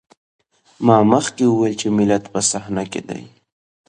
ما مخکې وويل چې ملت په صحنه کې دی.